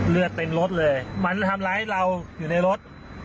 เลือดเต็มรถเลยมันทำร้ายเราอยู่ในรถ